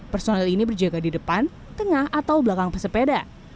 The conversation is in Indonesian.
personil ini berjaga di depan tengah atau belakang pesepeda